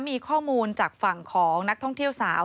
มีข้อมูลจากฝั่งของนักท่องเที่ยวสาว